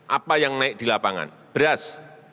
apa yang naik di lapangan beras